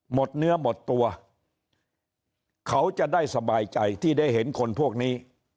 หมดเนื้อหมดตัวเขาจะได้สบายใจที่ได้เห็นคนพวกนี้